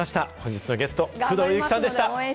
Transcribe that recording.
本日のゲスト、工藤夕貴さんでした。